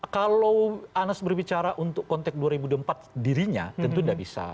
kalau anas berbicara untuk konteks dua ribu dua puluh empat dirinya tentu tidak bisa